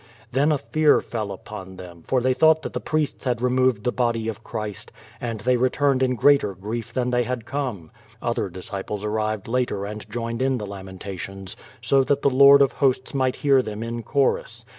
Then a fear fell upon them, for they thought that the priests had removed the body of Christ, and they returned in greater grief tlian tliey had come. Other disci|)les arrived later and joined in the lamentations, so that the I^ord of Hosts might hear them in chorus.